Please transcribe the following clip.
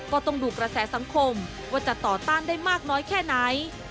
ก็ต้องดูกระแสสังคมว่าจะต่อต้านได้มากน้อยแค่ไหน